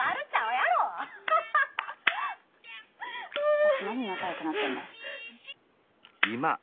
私何仲良くなってんだ。